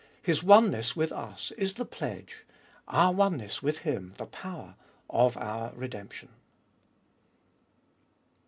His oneness with us is the pledge, our oneness with Him the power, of our redemption.